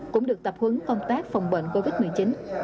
cũng được tập hướng công tác phòng bệnh covid một mươi chín